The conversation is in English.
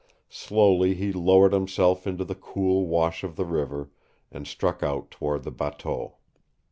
Slowly he lowered himself into the cool wash of the river, and struck out toward the bateau.